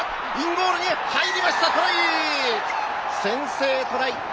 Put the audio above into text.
インゴールに入りました、トライ。